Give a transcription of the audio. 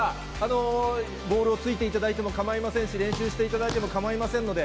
ボールをついていただいてもかまいませんし、練習していただいても構いませんので。